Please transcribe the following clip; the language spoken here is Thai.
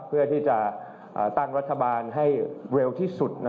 เพื่อที่จะตั้งรัฐบาลให้เร็วที่สุด